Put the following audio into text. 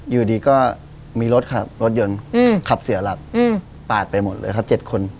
อยู่ดีก็มีรถครับรถยนต์ขับเสียหลักปาดไปหมดเลยครับ๗คน